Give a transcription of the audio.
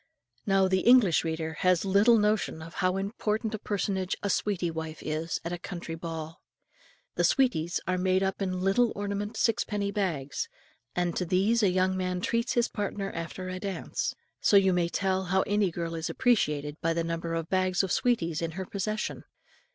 Now the English reader has little notion how important a personage a "sweetie wife" is at a country ball. The "sweeties" are made up in little ornamented sixpenny bags, and to these a young man treats his partner after a dance; so you may tell how any girl is appreciated by the number of bags of sweeties in her possession.